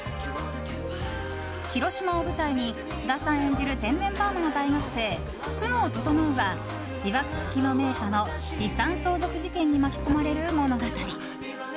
広島を舞台に菅田さん演じる天然パーマの大学生、久能整がいわくつきの名家の遺産相続事件に巻き込まれる物語。